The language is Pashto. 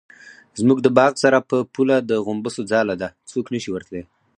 زموږ د باغ سره په پوله د غومبسو ځاله ده څوک نشي ورتلی.